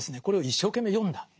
これを一生懸命読んだ。